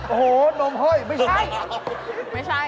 โอ้โฮนมห้อยไม่ใช่